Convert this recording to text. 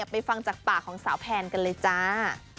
ไปฟังจากปากของสาวแพนกันเลยจ้า